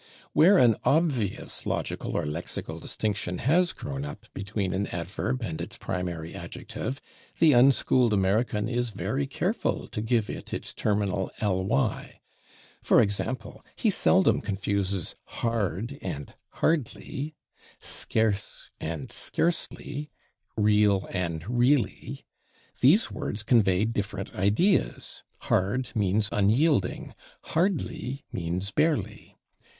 Where an obvious logical or lexical distinction has grown up between an adverb and its primary adjective the unschooled American is very careful to give it its terminal / ly/. For example, he seldom confuses /hard/ and /hardly/, /scarce/ and /scarcely/, /real/ and /really/. These words convey different ideas. /Hard/ means unyielding; /hardly/ means barely.